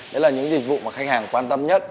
đấy là những dịch vụ mà khách hàng quan tâm nhất